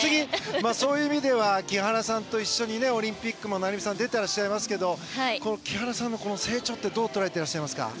そういう意味では木原さんと一緒にオリンピックも成美さん出てらっしゃいますけど木原さんの成長はどう捉えていますか？